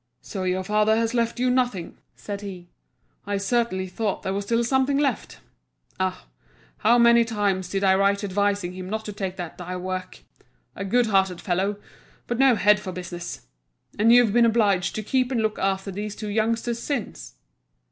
"So your father has left you nothing," said he. "I certainly thought there was still something left. Ah! how many times did I write advising him not to take that dye work! A good hearted fellow, but no head for business! And you've been obliged to keep and look after these two youngsters since?"